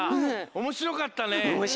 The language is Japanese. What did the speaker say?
おもしろかったね！